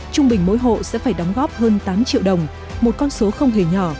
trung bình mỗi hộ sẽ phải đóng góp hơn tám triệu đồng một con số không hề nhỏ